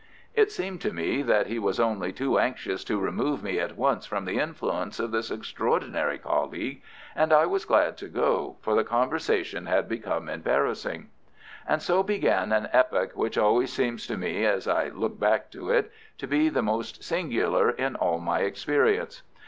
It seemed to me that he was only too anxious to remove me at once from the influence of this extraordinary colleague, and I was glad to go, for the conversation had become embarrassing. And so began an epoch which always seems to me as I look back to it to be the most singular in all my experience.